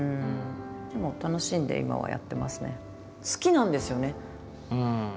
でも楽しんで今はやってますね。